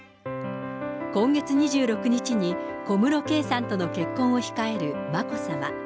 今月２６日に、小室圭さんとの結婚を控える眞子さま。